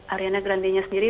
ariana grande nya sendiri